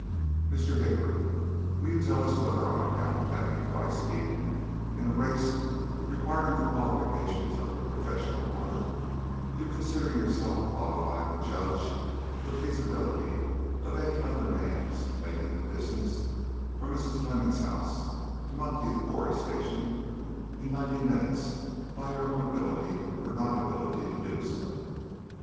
"Mr. Hickory, will you tell us whether on account of having twice beaten in a race requiring the qualifications of a professional runner, you considered yourself qualified to judge of the feasibility of any other man's making the distance from Mrs. Clemmens' house to Monteith Quarry Station in ninety minutes by your own ability or non ability to do so?"